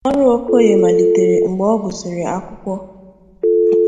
Ọrụ Okoye malitere mgbe ọ gụsịrị akwụkwọ.